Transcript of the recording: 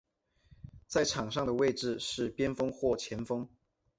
在场上的位置是边锋或前锋。